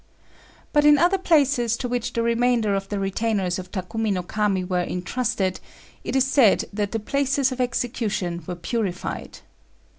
But in other palaces to which the remainder of the retainers of Takumi no Kami were entrusted, it is said that the places of execution were purified.